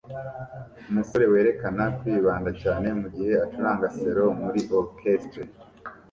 Umusore werekana kwibanda cyane mugihe acuranga selo muri orchestre